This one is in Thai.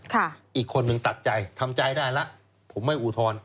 อีกคนนึงตัดใจทำใจได้แล้วผมไม่อุทธรณ์